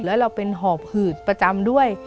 แล้วเราเป็นห่อผืดประจำด้วย